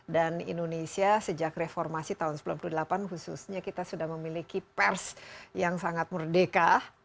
dan indonesia sejak reformasi tahun seribu sembilan ratus sembilan puluh delapan khususnya kita sudah memiliki pers yang sangat merdeka